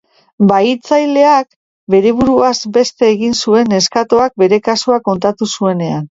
Bahitzaileak, bere buruaz beste egin zuen neskatoak bere kasua kontatu zuenean.